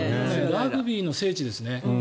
ラグビーの聖地ですね。